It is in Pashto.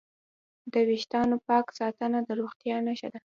د وېښتانو پاک ساتنه د روغتیا نښه ده.